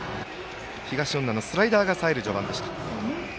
東恩納のスライダーがさえていました。